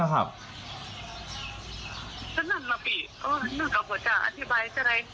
แล้วไปเดินในพันธ์นี้